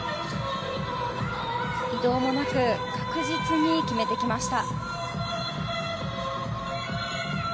移動もなく確実に決めてきました。